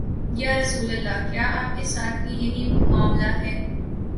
یا رسول اللہ، کیا آپ کے ساتھ بھی یہی معا ملہ ہے؟